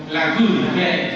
là gửi về